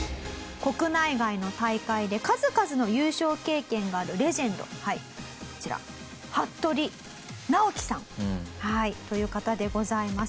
国内外の大会で数々の優勝経験があるレジェンドこちら服部尚貴さんという方でございます。